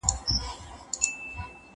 زه به سبا واښه راوړم!؟